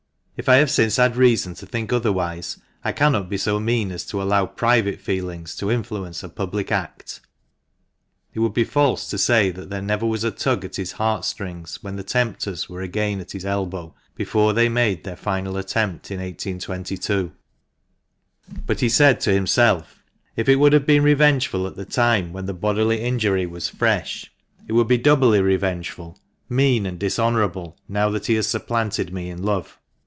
If I have since had reason to think otherwise, I cannot be so mean as to allow private feelings to influence a public act." It would be false to say there never was a tug at his heart strings when the tempters were again at his elbow, before they made their final attempt in 1822. But he said to himself " If it would have been revengeful at the time when the bodily injury was fresh, it would be doubly revengeful, mean, and dishonourable now that he has supplanted me in love.